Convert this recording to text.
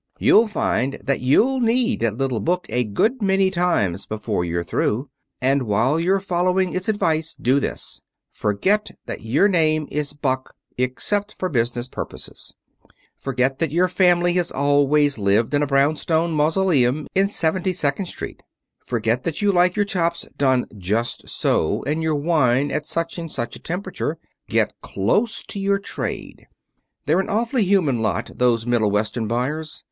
You'll find that you'll need that little book a good many times before you're through. And while you're following its advice, do this: forget that your name is Buck, except for business purposes; forget that your family has always lived in a brownstone mausoleum in Seventy second street; forget that you like your chops done just so, and your wine at such and such a temperature; get close to your trade. They're an awfully human lot, those Middle Western buyers.